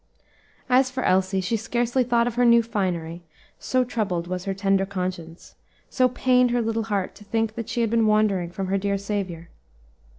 As for Elsie, she scarcely thought of her new finery, so troubled was her tender conscience, so pained her little heart to think that she had been wandering from her dear Saviour.